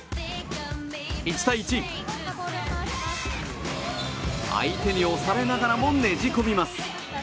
１対１、相手に押されながらもねじ込みます！